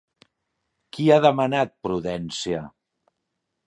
Qui ha demanat prudència?